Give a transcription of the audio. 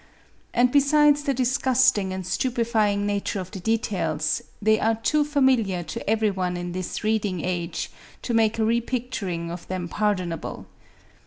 And besides the disgusting and stupefying nature of the details, they are too familiar to every one in this reading age, to make a repicturing of them pardonable.